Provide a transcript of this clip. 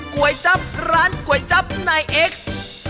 ๑ก๋วยจั๊บร้านก๋วยจั๊บไนเอ็กซ์